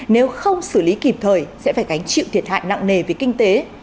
nếu không xử lý kịp thời sẽ phải gánh chịu thiệt hại nặng nề về kinh tế